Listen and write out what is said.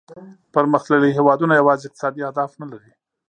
پرمختللي هیوادونه یوازې اقتصادي اهداف نه لري